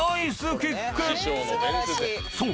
［そう。